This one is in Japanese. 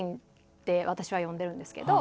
って私は呼んでるんですけど。